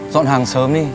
dọn hàng sớm đi